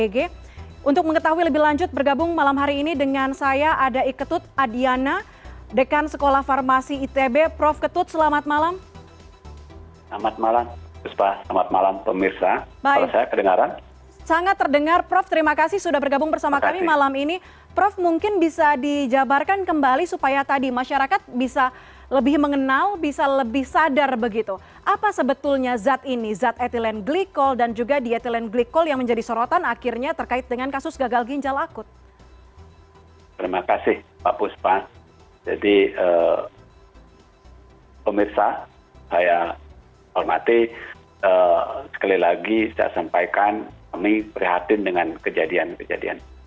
sekali lagi saya sampaikan kami prihatin dengan kejadian kejadian ini